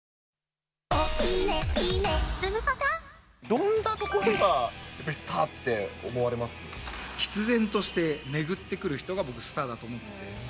どんなところがやっぱりスタ必然として巡ってくる人が、僕、スターだと思ってて。